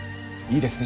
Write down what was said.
いいですね？